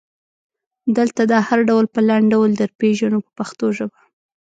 دلته دا هر ډول په لنډ ډول درپېژنو په پښتو ژبه.